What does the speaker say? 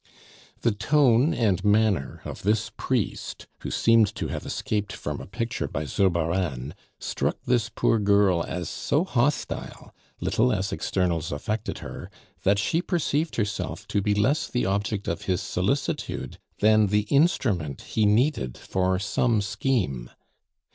The tone and manner of this priest, who seemed to have escaped from a picture by Zurbaran, struck this poor girl as so hostile, little as externals affected her, that she perceived herself to be less the object of his solitude than the instrument he needed for some scheme.